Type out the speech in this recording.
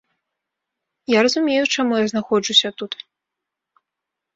Я разумею, чаму я знаходжуся тут.